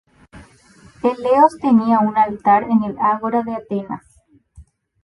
Eleos tenía un altar en el ágora de Atenas.